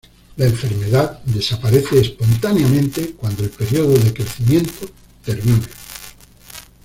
La enfermedad desaparece espontáneamente cuando el periodo de crecimiento termina.